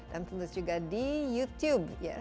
dan tentu juga di youtube